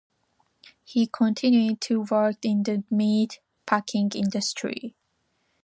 He continued to work in the meat-packing industry.